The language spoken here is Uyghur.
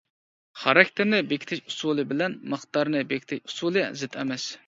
خاراكتېرنى بېكىتىش ئۇسۇلى بىلەن مىقدارىنى بېكىتىش ئۇسۇلى زىت ئەمەس.